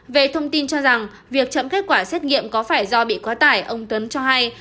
về thông tin cho rằng việc chậm kết quả xét nghiệm có phải do bị quá tải ông tuấn cho hay